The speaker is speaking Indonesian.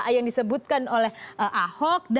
yang disebutkan oleh ahok